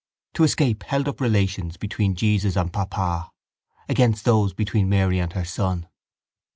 To escape held up relations between Jesus and Papa against those between Mary and her son.